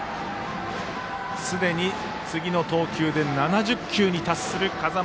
すでに次の投球で７０球に達する風間。